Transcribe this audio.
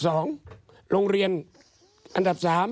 โรงเรียนอันดับ๓